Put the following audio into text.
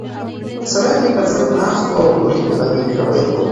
سړی مې تر څنګ ناست و او په ټیټ غږ یې خبرې کولې.